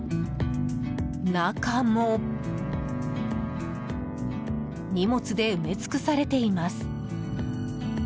中も、荷物で埋め尽くされています。